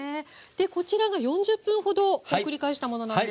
でこちらが４０分ほど繰り返したものなんですけれども。